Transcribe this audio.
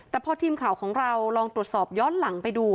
แต่พอทีมข่าวของเราลองตรวจสอบย้อนหลังไปดู